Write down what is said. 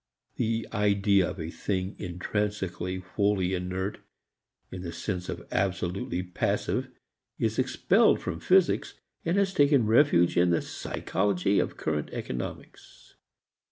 The idea of a thing intrinsically wholly inert in the sense of absolutely passive is expelled from physics and has taken refuge in the psychology of current economics.